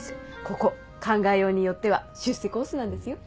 ここ考えようによっては出世コースなんですよ